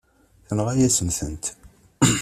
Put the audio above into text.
Tenɣa-yasen-tent.